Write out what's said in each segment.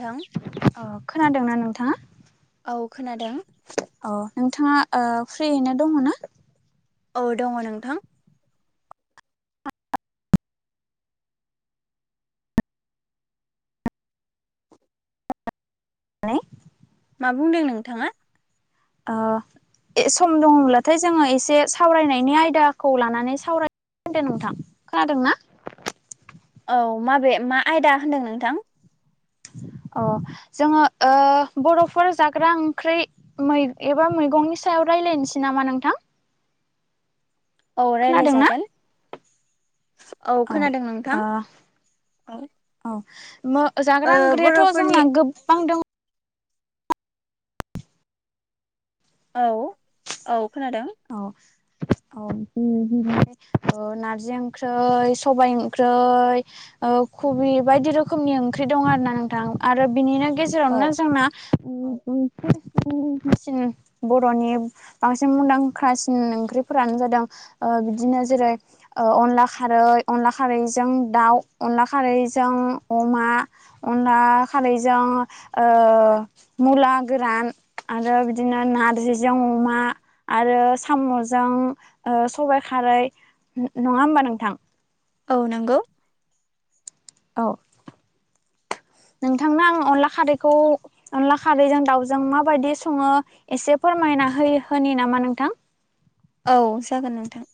नोंथां अ खोनादोंना नोंथाङा? औ खोनादों। अ नोंथाङा ओ फ्रियैनो दङ ना? औ दङ नोंथां। नै मा बुंदों नोंथाङा? ओ सम दङब्लाथाय जोङो एसे सावरायनायनि आयदाखौ लानानै सावराय खोनादो नोंथां खोनादों ना? औ माबे मा आयदा होनदों नोंथां? अ जोङो ओ बर'फोर जाग्रा ओंख्रै मै एबा मै मैगंनि सायाव रायलायनोसै नामा नोंथां? औ रायलाय खोनादोंना जागोन। औ खोनादों नोंथां, औ। मो ओ जाग्रा ओंख्रियाथ' बर'फोरनि जोंना गोबां दङ। औ औ खोनादों। औ औ ओ नारजि ओंख्रै, सबाय ओं ख्रै ओ कबि बायदि रोखोमनि ओंख्रि दं आरो ना नोंथां आरो बिनिनो औ गेजेरावनो जोंना [inaudible] सिन बर'नि बांसिन मुंदां क्रासिन ओंख्रिफोरानो जादों ओ बिदिनो जेरै अनला खारै अनला खारै जों दाउ, अनला खारै अमा, अनला खारैजों ओ ओ मुला गोरान आरो बिदिनो नारजिजों अमा आरो साम'जों ओ सबाइ खारै नङा होमबा नोंथां? औ नंगौ। औ [inaudible] नोंथांनो आं अनला खारैखौ अनला खारैजों दाउजों माबायदि सङो एसे फोरमा ना होयो होनि नामा नोंथां? औ जागोन नोंथां।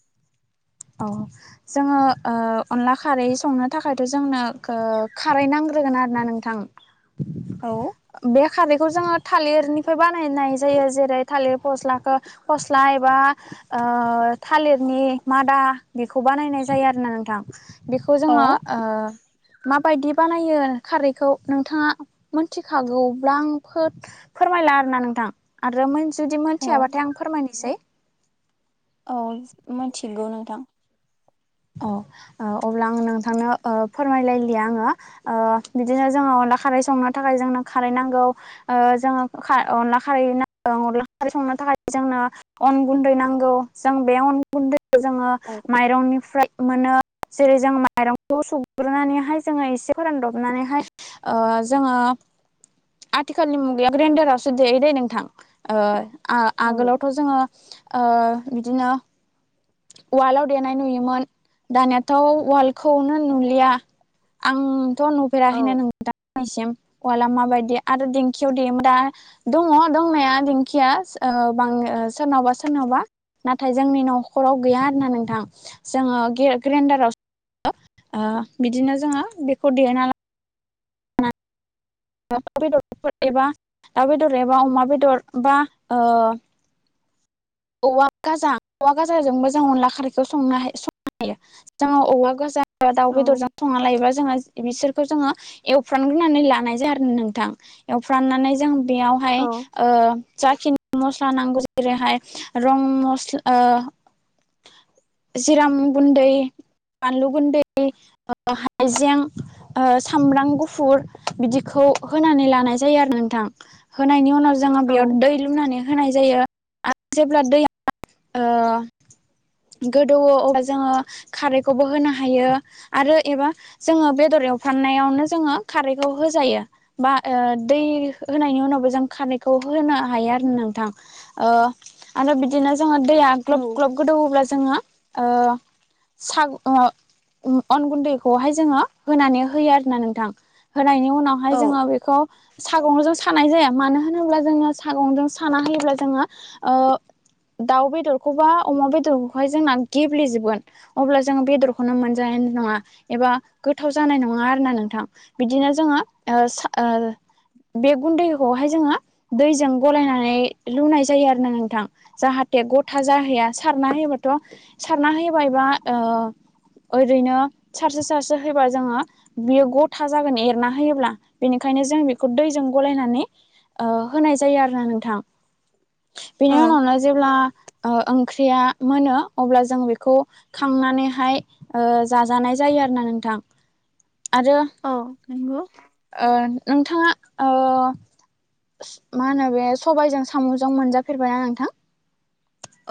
अ जोङो ओ अनला खारै संनो थाखायथ' जोंनो ओ खारै नां ग्रोगोन आरोना नोंथां? औ बे खारैखौ जोङो थालिरनिफ्राय बानायनाय जायो जेरै थालिर फस्लाखो फस्ला एबा ओ थालिरनि मादा बेखौ बानायनाय जायो आरोना नोंथां बेखौ जोङो औ ओ माबायदि बानायो खारैखौ नोंथाङा मोनथिखागौब्ला आं खो फोरमाय ला आरो ना नोंथां आरो मोनथि जुदि औ मोनथियाबाथाय आं फोरमायनोसै। औ मिनथिगौ नोंथां। अ ओ अब्ला आं नोंथांनो ओ फोरमायलायलिया आङो ओ बिदिनो जोङो ला खारै संनो थाखाय जोंनो खारै नांगौ ओ जोंओ खा अनला खारै नांगौ अनला खारै सं नो थाखाय जोंनो अन गुन्दै नांगौ। जों बे अन गुन्दै जोङो औ माइरंनि फ्राय मोनो। जेरै जों माइरंखौ सुग्रोनानैहाय जोङो एसे फोरानदबनानैहाय ओ जोङो [inaudible] आथिखालनि मुगाया ग्रेन्डारासो देैयो दे नोंथां ओ आ औ आगोलावथ' जोङो ओ बिदिनो वार्ल्डआव देनाय नुयोमोन दानियाथ' वार्ल्डखौनो नुलिया। आंथ' औ नुुफेराखैनो नोंथां दिनैसिम। औवाला माबायदि आरो दिंखियाव देयो मोन दा दङ दंनाया दिंखिया ओ बां ओ सोरनावबा सोरनावबा नाथाय जोंनि न' खराव गैया आरोना नोंथां जोङो ग्रे ग्रेन्डाराव ओ बिदिनो जोङो बेखौ देहायना ला [unintelligible] एबा दाउ बेदर एबा अमा बेदर बा ओ औवा गाजा औवा गाजाजोंबो जों अनला खारैखौ जों संनो संनो हायो जों औवा गोजा दाउ औ बेदरजों संना लायोबा जोङो बिसोरखौ जोङो एवफ्राम ग्रोनानै लानाय जाया आरो नोंथां। एवफ्रामनानै जों बेयावहाय औ ओ जाखिनि मस्ला नांगौ जेरैहाय रं मस्ला ओ जिरा गुन्दै बानलु गुन्दै हाइजें ओ सामब्राम गुफुर बिदि खौ होनानै लाननाय जायो आरो ना नोंथां होनायनि उनाव जोडों बेयाव औ दै लुनानै होनाय जायो आरो जेब्ला दैया ओ गोदोवौ अब्ला जोङो खारैखौबो होनो हायो आरो एबा जोङो बेदर एफ्रामनायावनो जोडों खारैखौ होजायो बा ओ दै होन्नायनि उनावबो जों खारै खौ होनो हायो आरो नोंथां ओ आरो बिदिनो जोङो दैया ग्लब ग्लब गोदौयोब्ला जोङो ओ - सागु ओ ओम अन गुन्दैखौहाय जोङो होनानै होयो आरोना नोंथां। होनायनि उनावहाय औ जोडों बेखौ सागंजों सा नाय जाया मानो होनोब्ला जोङो सागंजों साना होयोब्ला जोङो ओ [inaudible] दाउ बेदरखौबा अमा बेदरखौहाय जोंना गेब्लेेजोबगोन अब्ला जोङो बेदरखौनो मोनजानाय नङा एबा गोथाव जानाय नङा आरो ना नोंथां। बिदिनो जोङो ओ सा ओ बे गुन्दैखौहाय जोङो दैजों गलायनानै लुनाय जायो आरो नोंथां। जाहाथे गथा जाहैया सारना होयोबाथ' सारना होबायबा ओ ओरैनो सारसो सारसो होयोब्ला जोङो बेयो गथा जागोन एरना होयोब्ला बेनिखाय नो जों बेखौ दैजों गलायनानै होनाय जायो आरो ना नोंथां। बेनि औ उनावनो जेब्ला ओ ओंख्रिया मोनो अब्ला जों बेखौ खांनानैहाय ओ जाजानाय जायो आरो ना नोंथां। [inaudible] आरो औ नंगौ। ओ नोंथाङा ओ मा होनो बे सबायजों साम'जों मोनजा फेरबायना नोंथां?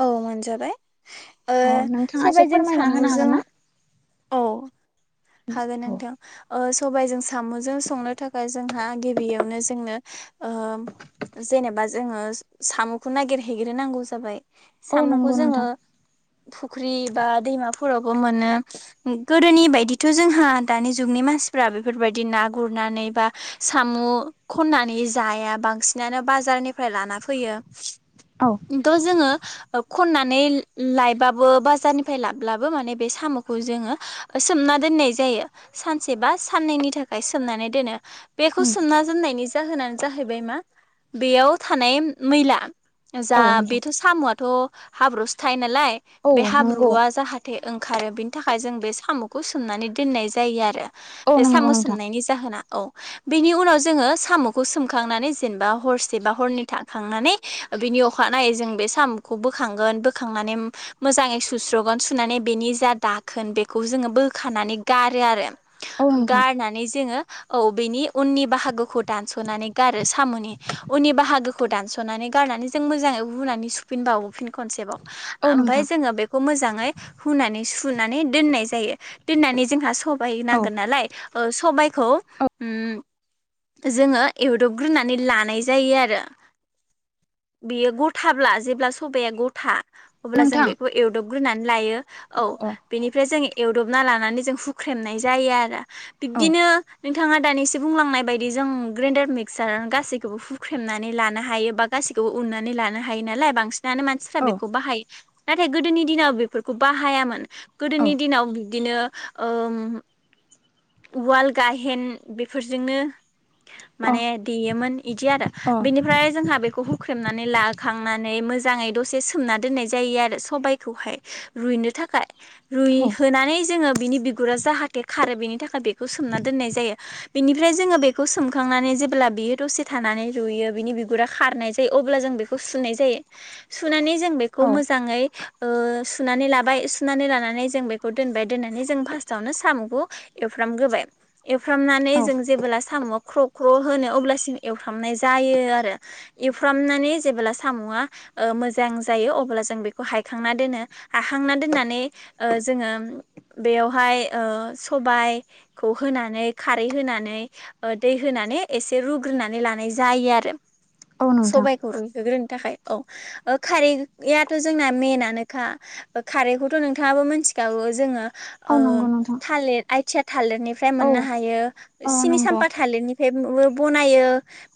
औ मोनजाबाय ओ अ नोंथाङा एसे सबायजों फोरमायना होनो हागोन साम'जों ना औ हागोन औ नोंथां। ओ सबायजों साम'जों संनो थाखाय जोंहा गिबियावनो जोंनो ओम जेनोबा जोङो साम'खौ नागिरहैग्रोनांगौ जाबाय। औ नंगौ साम'खौ नोंथां जोङो फुख्रि बा दैमाफोरावबो मोनो। गोदोनि बायदि थ' जोंहा दानि जुगनि मानसिफ्रा बेफोरबायदि ना गुरनानै बा साम' खननानै जाया बांसिनानो बाजारनिफ्राय लाना फैयो औ ओमथ' जोङो ओ खननानै लायबाबो बाजारनिफ्राय लाब्लाबो माने बे साम'खौ जोङो सोमना दोननाय जायो। सानसे बा साननैनि थाखाय सोमनानै दोनो बेखौ उम सोमना दोननायनि जाहोनानो जाहैबाय मा बेयाव थानाय मैला। औ जा नोंथां बेथ' सामुआथ' हाब्रुवसो थायो नालाय औ बे नंगौ हाब्रुआ जाहाथे ओं- खारो बिनि थाखाय जों बे सामुखौ सोमनानै दोननाय जायो आरो औ बे नंगौ सामु नोंथां सोमनायनि जाहोना औ बेनि उनाव जोङो सामुखौ सोमखांनानै जेनेबा हरसे बा हरनै थाखांनानै बेनि अखानायै जों बे सामुखौ बोखांगोन बोखांनानै मोजाङै सुस्र'गोन सुनानै बेनि जा दाखोन बेखौ जों बोखानानै जों गारो आरो औ नोंथां गारनानै जोङो औ बेनि उननि बाहागोखौ दानस'नानै गारो सामुनि उननि बाहागो- खौ दानस'नानै गारनानै जों मोजाङै हुनानै सुफिनबावो फिन खनसेबाव औ ओमफाय नोंथां जोङो बेखौ मोजाङै हुनानै सुनानै दोननाय जायो। दोननानै जोंहा सबाय औ नांगोन नालाय ओ सबायखौ औ उम जोङो एवदबग्रोनानै लानाय जायो आरो। बेयो गथाब्ला जेब्ला सबाया गथा अब्ला जों नोंथां बेखौ एवदबग्रोनानै लायो औ अ अ बेनिफ्राय जों एवदब- ना लानानै जों हुख्रेमनाय जायो आरो औ बिबदिनो नों- थाङा दानिसो बुंलांनाय बायदि जों ग्रेन्डार मिक्सार गासैखौबो हुख्रेमनानै लानो हायो बा गासै- खौ उननानै लानो हायो नालाय बांसि- नानो मानसिफ्रा औ बेखौ बाहायो नाथाय गोदोनि दिनाव बेफोरखौ बाहायामोन औ गोदोनि दिनाव बिदिनो ओम उवाल गाहेन बेफोरजोंनो अ माने देयोमोन इदि आरो बिनिफ्राय जोंहा बेखौ हुख्रेमनानै ला खांनानै मोजाङै दसे सोमना दोननाय जायो। आरो सबायखौहाय रुइनो थाखाय। रुइ औ होनानै। जोङो बिनि बिगुरा जाहाथे खारो बेनि थाखाय बेखौ सोमना दोननाय जायो। बेनिफ्राय जोङो बेखौ सोमखां- नानै जेब्ला बियो दसे थानानै रुयो बिनि बिगुरा खारनाय जायो अब्ला जों बेखौ सुनाय जायो। सुनानै जों बेखौ औ मोजाङै ओ सुनानै लाबाय सुनानै लानानै जों बेखौ दोनबाय दोननानै जों फार्स्टावनो सामुखौ एवफ्रामग्रोबाय। एवफ्रामनानै औ जों जेबोला सामुआ ख्रुब- ख्र' होनो अब्लासिम एवफ्रामनाय जायो आरो एवफ्रामनानै जेब्ला सामुआ ओ मोजां जायो अब्ला जों बेखौ हायखांना दोनो हाखांना दोननानै अ जोङो बेयावहाय ओ सबायखौ होनानै खारै होनानै अ दै होना- नै एसे रुग्रोनानै लानाय जायो आरो औ नोंथां सबाइखौ रुइहोग्रोनो थाखाय औ खारैआथ' जोंना मेइनानोखा खारैखौथ' नोंथाङाबो मिथिखागौ जोङो। ओ औ नंगौ नोंथां थालिर आइथिया थालिरनिफ्राय औ मोननो हायो औ सिनि नंगौ साम्फा थालिरनि हेब ब-बनायो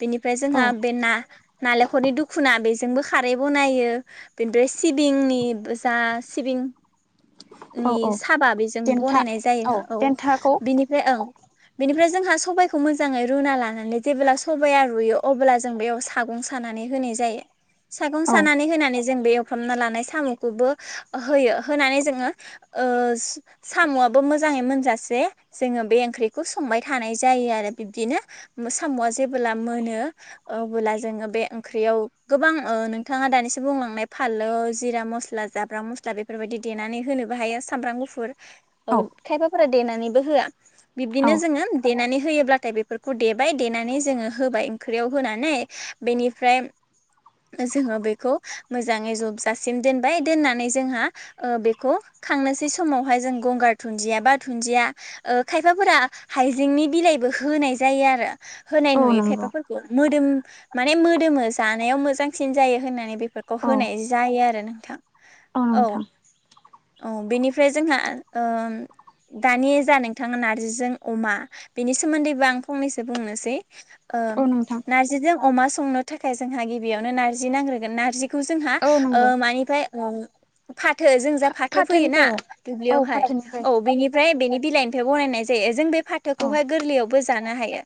बेनिफ्राय औ जोंहा बे ना-नालेंखरनि दुखुना बे- जोंबो खारै बनायो बेनिफ्राय सिबिंनि जा सिबिं- औ नि औ साबा बेजों देन्था बनायनाय जायो औ बेनिफ्राय औ बेनिफ्राय जोंहा सबायखौ मोजाङै रुना लानानै जेब्ला सबाया रुयो अब्ला जों बेयाव सागं सानानै होनाय जायो। सागं औ सानानै होनानै जों बे एवफ्रामना लानाय सामुखौबो होयो होनानै जोङो। ओ सामुआबो मोजाङै मोनजासे जोङो बे ओंख्रिखौ संबाय थानाय जायो आरो। बिबदिनो सामुआ जेबोब्ला मोनो अब्ला जोङो बे ओंख्रियाव गोबां ओ नोंथाङा दानिसो बुंलांनाय फानलो जिरा मस्ला जाब्रां मस्ला बेफोरबायदि देनानै होनोबो हायो। सामब्राम गुुफुर औ खायफाफोरा देनानैबो होवा औ बिबदिनो जोङो देनानै होयोब्लाथाय बेफोरखौ देबाय देनानै जोङो होबाय ओंख्रियाव होनानै बेनिफ्राय जोङो बेखौ मोजाङै जबजासिम दोनबाय दोननानै जोंहा ओ बेखौ थांनोसै समावहाय जों गंगार धुनजिया बा धुनजिया ओ खायफाफोरा हायजेंनि बिलाइबो होनाय जायो आरो। होनाय औ नुयो नंगौ खायफाफोरखौ मोदोम माने मोदोमो जानायाव मोजांसिन जायो होननानै बे- फोरखौ औ होनाय जायो आरो नोंथां औ औ बेनिफ्राय जोंहा ओम। दानि जा नोंथाङा नार्जिजों अमा बेनि सोमोन्दैबो आं फंनैसो बुंनोसै औ नोंथां नारजिजों अमा संनो थाखाय जोंहा गिबियावनो नारजि नांग्रोगोन नारजि खौ जोंहा औ नंगौ मानिफ्राय फाथो जों जा फाथो फैयोना फाथोनिफ्राय औ औ दुब्लियावहाय फाथोनिफ्राय औ बेनि ओमफ्राय बेनि बिलाइनिफ्राय बनायनाय जायो जों बे औ फाथोखौहाय गोरलैयावबो जानो हायो।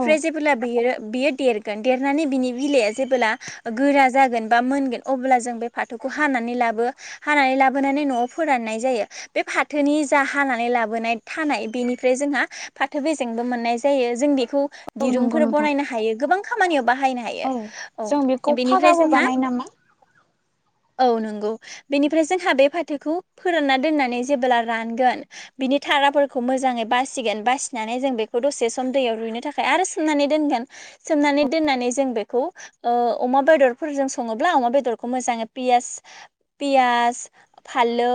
औ जेबोब्ला बियो बियो देरगोन देरनानै बिनि बिलाइआ जेबोला गोरा जागोन बा मोनगोन अब्ला जों बे फाथोखौ हानानै लाबो हानानै ला बोनानै न'आव फोराननाय जायो बे फाथोनि जा हानानै लाबोनाय थानाय बेनिफ्राय जोंहा फाथो बेजेंबो मोननाय जायो जों बेखौ औ नंगौ दिरुंफोर नोंथां बनायनो हायो गोबां खामानियाव बाहायनो हायो औ औ जों बेखौ बेनिफ्राय फागाबो जोंहा बानायो नामा औ नंगौ बेनिफ्राय जोंहा बे फाथोखौ फोरानना दोननानै जेबोला रानगोन बिनि थाराफोरखौ मोजाङै बासिगोन बासि फिनानै जों बेखौ दसे सम दैयाव रुइनो थाखाय आरो सोमनानै दोनगोन सोमनानै दोननानै जों बेखौ अमा बेदरफोरजों सङोब्ला अमा बेदरखौ मोजाङै पियास पियास फालौ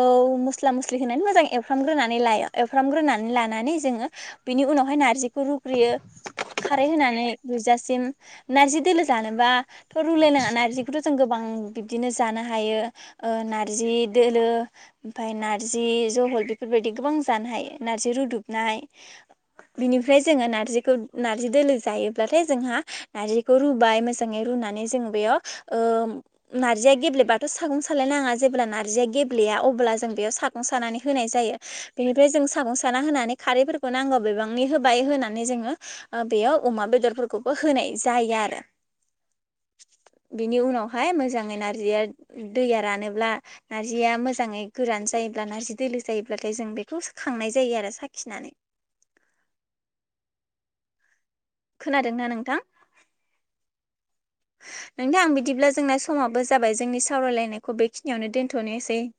मस्ला मस्लि होनानै मोजां एवफ्रामग्रोनानै लायो एवफ्रामग्रोनानै लानानै जोङो बेनि उनावहाय नारजिखौ रुग्रोयो खारै होनानै रुइजासिम नारजि दोलो जानोबा रुलायनाङा नारजिखौथ' जों गोबां बिदिनो जानो हायो ओ नारजि दोलो ओमफ्राय नार्जि जहल बेफोरबायदि गोबां जानो हायो नार्जि रुदुबनाय बिनिफ्राय जोङो नारजिखौ नार्जि दोलो जायोब्लाथाय जोंहा नारजिखौ रुबाय मोजाङै रु नानै जों बेयाव ओ नारजिया गेब्लेबाथ' सागं सालायनाङा जेब्ला ना रजिया गेब्लेया अब्ला जों बेयाव सागं सानानै होनाय जायो। बिनिफ्राय जों सागं साना होनानै खारैफोरखौ नांगौ बिबांनि होबाय होनानै जोङो बेयाव अमा बेदरफोरखौबो होनाय जायो आरो बिनि उनावहाय मोजाङै नारजिया दैया रानोब्ला नार्जिया मोजाङै गोरान जायोब्ला नार्जि दोलो जायोब्लाथाय जों बेखौ खांनाय जायो आरो साखिनानै। [inaudible] खोनादोंना नोंथां? नोंथां बिदिब्ला जोंना समाबो जाबाय जोंनि सावरायलायनायखौ बेखिनियावनो दोन्थ'नोसै। [inaudible]